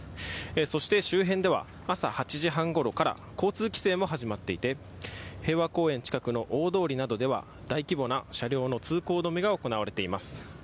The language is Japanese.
そして、周辺では朝８時半ごろから交通規制も始まっていて平和公園近くの大通りなどでは大規模な車両の通行止めが行われています。